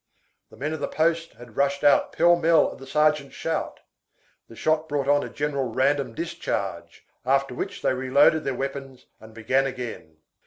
The men of the post had rushed out pell mell at the sergeant's shout; the shot brought on a general random discharge, after which they reloaded their weapons and began again.